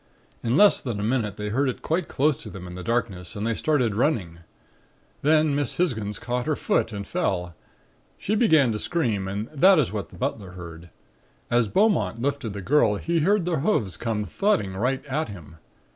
In less than a minute they heard it quite close to them in the darkness and they started running. Then Miss Hisgins caught her foot and fell. She began to scream and that is what the butler heard. As Beaumont lifted the girl he heard the hoofs come thudding right at him.